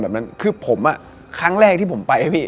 แมวดันวิ่งตัดหน่า